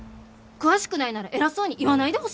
詳しくないなら偉そうに言わないでほしい。